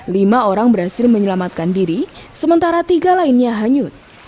lima orang berhasil menyelamatkan diri sementara tiga lainnya hanyut